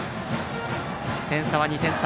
点差は２点差。